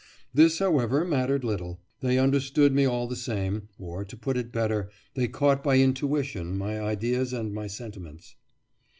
This, however, mattered little; they understood me all the same, or, to put it better, they caught by intuition my ideas and my sentiments.